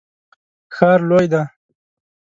ښار لوی دی